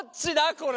これ！